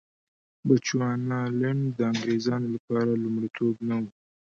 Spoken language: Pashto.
بچوانالنډ د انګرېزانو لپاره لومړیتوب نه و.